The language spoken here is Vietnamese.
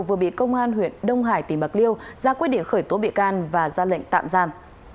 vừa bị công an huyện đông hải tỉnh bạc liêu ra quyết định khởi tố bị can và ra lệnh tạm giam